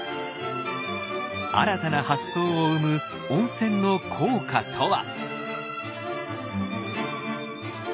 新たな発想を生む温泉の効果とは！？